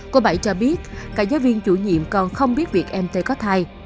cô bảy cho biết cả giáo viên chủ nhiệm còn không biết việc em tê có thai